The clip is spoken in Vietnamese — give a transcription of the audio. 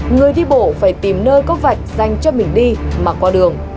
người đi bộ phải tìm nơi có vạch dành cho mình đi mà qua đường